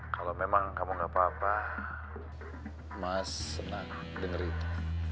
kalau memang kamu gak apa apa mas senang dengerin